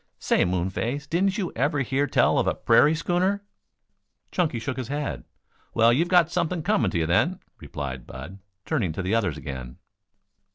"Say, moon face, didn't you ever hear tell of a prairie schooner!" Chunky shook his head. "Well, you've got something coming to you, then," replied Bud, turning to the others again.